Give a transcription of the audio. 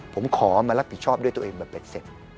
ผมขอมารับผิดชอบด้วยตัวเองมาเป็ดเสร็จ